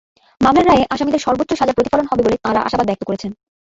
মামলার রায়ে আসামিদের সর্বোচ্চ সাজা প্রতিফলন হবে বলে তাঁরা আশাবাদ ব্যক্ত করেছেন।